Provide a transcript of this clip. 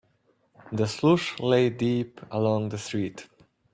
The slush lay deep along the street.